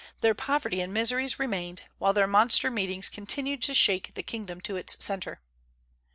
Their poverty and miseries remained, while their monster meetings continued to shake the kingdom to its centre.